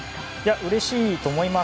うれしいと思います。